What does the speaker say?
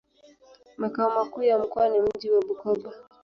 Makao makuu ya mkoa ni mji wa Bukoba.